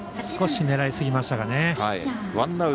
少し狙いすぎましたかね。